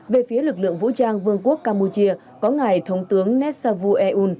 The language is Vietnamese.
về phía lực lượng vũ trang vương quốc campuchia có ngài thống tướng netsavu eun